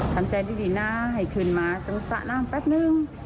ทำใจดีหน้าให้คืนมาจังหวัดศาลนั่งแป๊บนึง